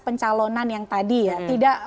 pencalonan yang tadi ya tidak